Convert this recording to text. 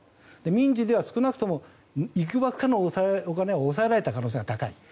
民事では少なくともいくばくかのお金を押さえられた可能性が高い。